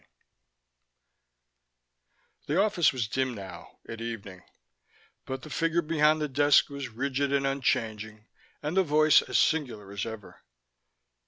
17 The office was dim now, at evening, but the figure behind the desk was rigid and unchanging, and the voice as singular as ever.